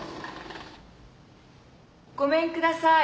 ごめんください。